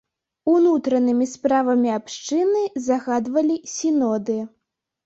Унутранымі справамі абшчыны загадвалі сіноды.